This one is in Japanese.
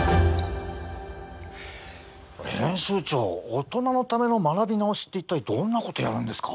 オトナのための学び直しって一体どんなことやるんですか？